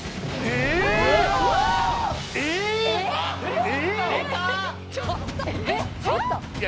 えっ？